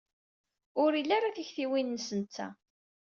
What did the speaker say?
Ur ili ara tiktiwin-nnes netta.